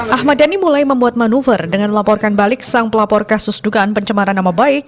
ahmad dhani mulai membuat manuver dengan melaporkan balik sang pelapor kasus dugaan pencemaran nama baik